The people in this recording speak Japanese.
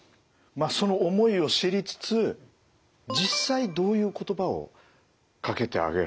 その思いを知りつつ実際どういう言葉をかけてあげられるといいんですかね？